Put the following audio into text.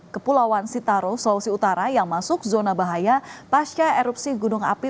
kepulauan sitaro sulawesi utara yang masuk zona bahaya pasca erupsi gunung api